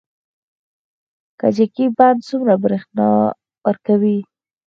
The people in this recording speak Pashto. کجکي بند څومره بریښنا ورکوي؟